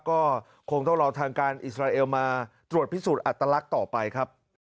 ก็คงต้องรอทางการอิสราเอลมาตรวจพิสูจน์อัตลักษณ์ต่อไปครับ